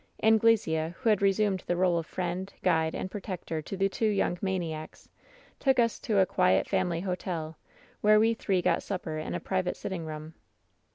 "Anglesea, who had resumed the role of friend, guide and protector to the two young maniacs, took us to a quiet family hotel, where we three got supper iu a pri vate sitting room.